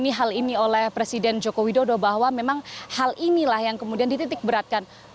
ini hal ini oleh presiden joko widodo bahwa memang hal inilah yang kemudian dititik beratkan